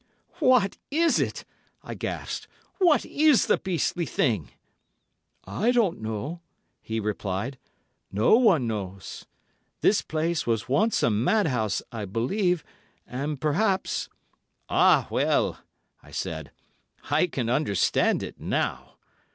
"What is it?" I gasped. "What is the beastly thing?" "I don't know," he replied; "no one knows. This place was once a madhouse, I believe, and perhaps——" "Ah, well," I said, "I can understand it now.